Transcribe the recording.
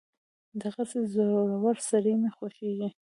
دغسې زړور سړی مې خوښېږي.